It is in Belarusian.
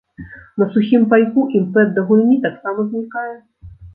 На сухім пайку імпэт да гульні таксама знікае.